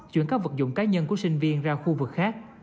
chuyển các vật dụng cá nhân của sinh viên ra khu vực khác